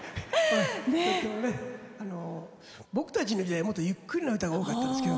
とっても僕たちの時代もっとゆっくりな歌が多かったですよ。